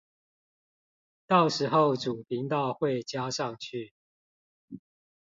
到時候主頻道會加上去